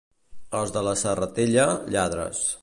Els de la Serratella, lladres.